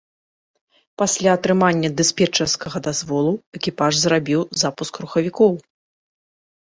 Пасля атрымання дыспетчарскага дазволу, экіпаж зрабіў запуск рухавікоў.